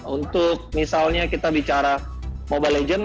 untuk misalnya kita bicara mobile legends